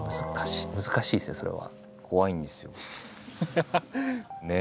難しいですよねそれは。